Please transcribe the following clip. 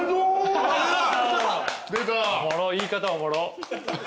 言い方おもろっ。